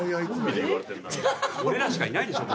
俺らしかいないでしょ。